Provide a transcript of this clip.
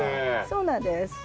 そうなんです。